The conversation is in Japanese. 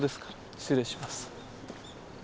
失礼します。